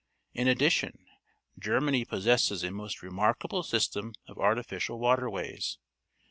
In adtUtion, Germany possesses a most remarkable system of artificial water ways.